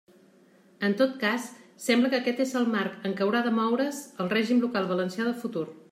En tot cas, sembla que aquest és el marc en què haurà de moure's el règim local valencià del futur.